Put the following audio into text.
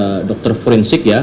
ada tiga dokumen forensik ya